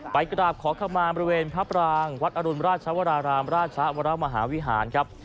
ไปกราบขอขมาบริเวณพระปรางวัดอรุณราชวรารามราชวรมหาวิหารครับ